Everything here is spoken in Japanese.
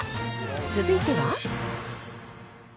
続いては。